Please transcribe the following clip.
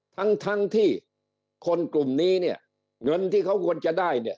ทั้งทั้งที่คนกลุ่มนี้เนี่ยเงินที่เขาควรจะได้เนี่ย